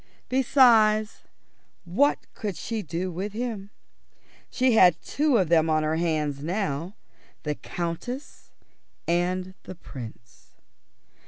Besides, what could she do with him? She had two of them on her hands now: the Countess and the Prince.